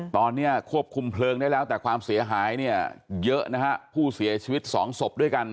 ตอนนี้ควบคุมเพลิงได้แล้วแต่ความเสียหายเนี่ยเยอะนะฮะผู้เสียชีวิตสองศพด้วยกัน